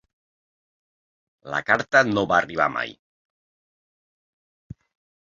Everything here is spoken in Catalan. La carta no va arribar mai.